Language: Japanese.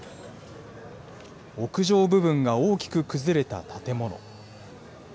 屋上部分が大きく崩れた建物。